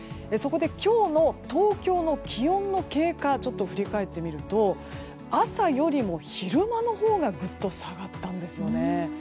そこで今日の東京の気温の経過をちょっと振り返ってみると朝よりも昼間のほうがぐっと下がったんですよね。